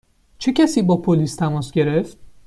چه کسی با پلیس تماس گرفت؟